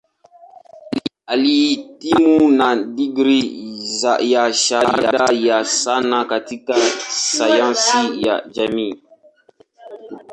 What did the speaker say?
Alihitimu na digrii ya Shahada ya Sanaa katika Sayansi ya Jamii.